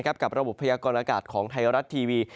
กับระบบพยากรณากาศของไทยรัฐทีวี